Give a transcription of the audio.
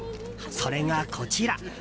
それが、こちら！